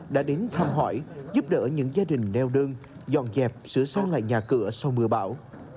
đã đến thăm hỏi giúp đỡ những gia đình neo đơn dọn dẹp sửa xong lại nhà cửa sau mưa bão